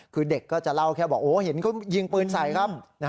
คือเด็กก็จะเล่าแค่บอกโอ้เห็นเขายิงปืนใส่ครับ